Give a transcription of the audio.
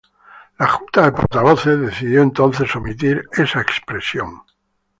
La Junta de Portavoces decidió entonces omitir esa expresión.